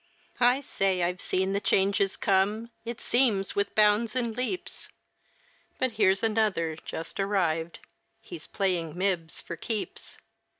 I say I've seen the changes come, it seems with bounds and leaps, But here's another just arrived he's playing mibs for keeps!